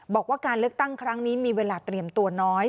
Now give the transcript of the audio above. บอกว่าการเลือกตั้งครั้งนี้มีเวลาเตรียมตัวน้อย